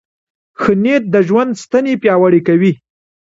ښه نیت د ژوند ستنې پیاوړې کوي.